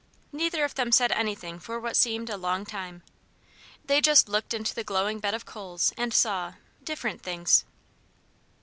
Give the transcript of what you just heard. Neither of them said anything for what seemed a long time. They just looked into the glowing bed of coals and saw different things!